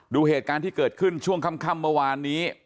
ดูเหตุการณ์ที่เกิดขึ้นช่วงค่ำเมื่อวานนี้